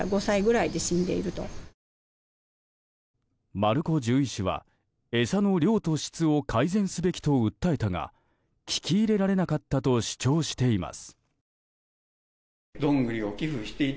丸子獣医師は餌の量と質を改善すべきと訴えたが聞き入れられなかったと主張しています。